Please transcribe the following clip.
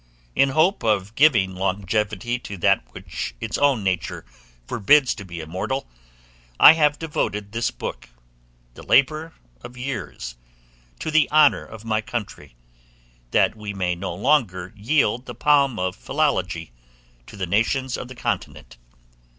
In hope of giving longevity to that which its own nature forbids to be immortal, I have devoted this book, the labor of years, to the honor of my country, that we may no longer yield the palm of philology, without a contest, to the nations of the continent.